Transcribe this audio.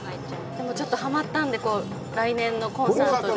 でもちょっとハマったんで来年のコンサートで。